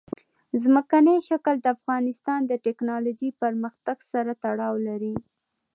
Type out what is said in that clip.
ځمکنی شکل د افغانستان د تکنالوژۍ پرمختګ سره تړاو لري.